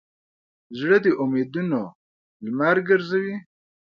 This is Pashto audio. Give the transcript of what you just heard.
زړه د امیدونو لمر ګرځوي.